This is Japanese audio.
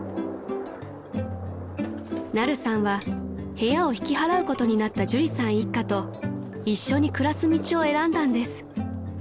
［ナルさんは部屋を引き払うことになった朱里さん一家と一緒に暮らす道を選んだんです］